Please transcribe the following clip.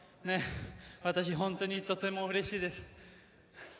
私、とてもうれしいです。